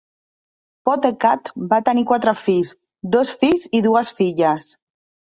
Pottekkatt va tenir quatre fills: dos fills i dues filles.